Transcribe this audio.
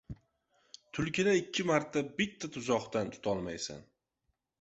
• Tulkini ikki marta bitta tuzoqdan tutolmaysan.